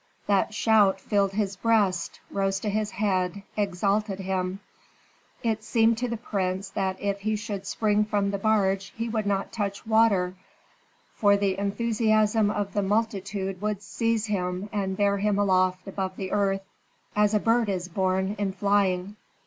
That shout filled his breast, rose to his head, exalted him. It seemed to the prince that if he should spring from the barge he would not touch water, for the enthusiasm of the multitude would seize him and bear him aloft above the earth, as a bird is borne in flying.